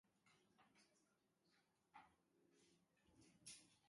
Horrela, aztertzaileek baieztatu dute ez zela filtraziorik egon azterketa egin aurretik.